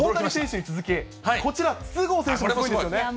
大谷選手に続き、こちら、筒香選手もすごいですよね。